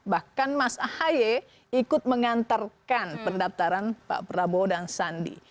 bahkan mas ahaye ikut mengantarkan pendaftaran pak prabowo dan sandi